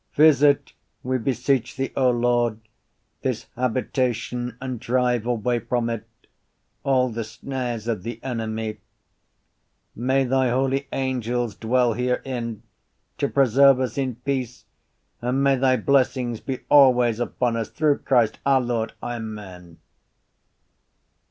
Visit, we beseech Thee, O Lord, this habitation and drive away from it all the snares of the enemy. May Thy holy angels dwell herein to preserve us in peace and may Thy blessing be always upon us through Christ our Lord. Amen.